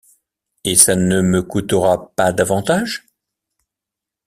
Et ça ne me coûtera pas davantage?...